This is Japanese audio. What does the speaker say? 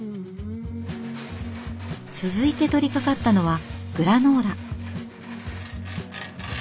続いて取りかかったのはグラノーラ。